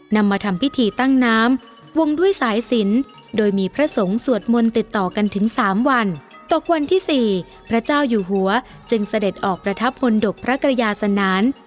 นำมาทำพิธีตั้งน้ำวงด้วยสายสินโดยมีพระสงฆ์สวดมนต์ติดต่อกันถึง๓วันตกวันที่๔พระเจ้าอยู่หัวจึงเสด็จออกประทับมนตบพระกรยาสนาน